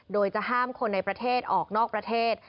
โดยจะห้ามคนในประเทศออกนอกประเทศ